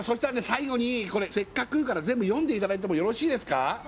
最後にこれ「せっかく」から全部読んでいただいてもよろしいですか？